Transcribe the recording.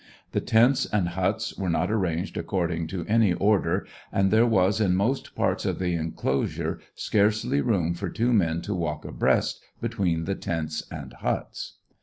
The tents and huts were not ar ranged according to any order, and there was in most parts of the enclosure scarcely room for tw^o men to walk abreast between the tents and huts.